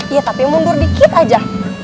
iya tapi mundur dikit aja